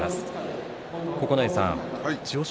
九重さん、千代翔